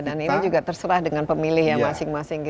dan ini juga terserah dengan pemilih ya masing masing